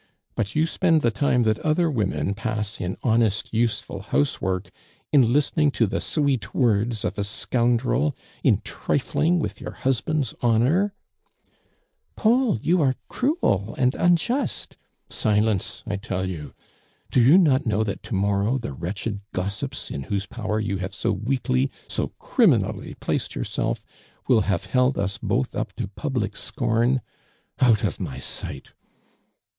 But you spend the time that other women pass in honest, useful housework, in lisfcening to the sweet words of a scoundrel — in trifling with your husband's honor I" ••Paul, you are cruel and unjust." " Silence, I tell you. Do you not know that to morrow the wretched gossips in whose power you have so weakly, so crimi nally placed yourself, will have held us both up to public soorn ? Out of my sight